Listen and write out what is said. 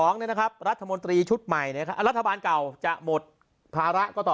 รัฐมนตรีชุดใหม่รัฐบาลเก่าจะหมดภาระก็ต่อ